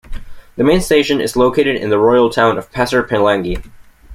The main station is located in the royal town of Pasir Pelangi.